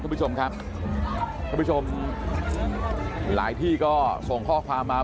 คุณผู้ชมครับท่านผู้ชมหลายที่ก็ส่งข้อความมา